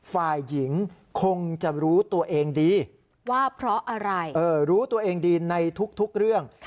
ฝ่ายหญิงคงจะรู้ตัวเองดีว่าเพราะอะไรรู้ตัวเองดีในทุกเรื่อง